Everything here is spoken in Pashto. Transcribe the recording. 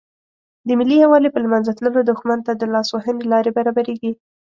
د ملي یووالي په له منځه تللو دښمن ته د لاس وهنې لارې برابریږي.